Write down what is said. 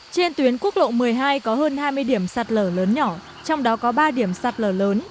trên tuyến quốc lộ một mươi hai có hơn hai mươi điểm sạt lở lớn nhỏ trong đó có ba điểm sạt lở lớn